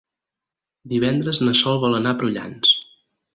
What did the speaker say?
Divendres na Sol vol anar a Prullans.